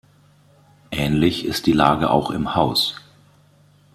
Ähnlich ist die Lage auch im Haus.